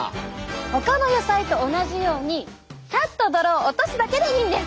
ほかの野菜と同じようにさっと泥を落とすだけでいいんです。